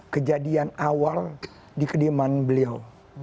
kejadian awal di kediaman beliau